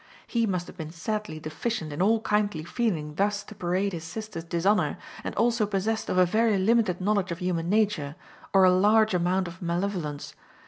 He must have been sadly deficient in all kindly feeling thus to parade his sister's dishonor, and also possessed of a very limited knowledge of human nature, or a large amount of malevolence.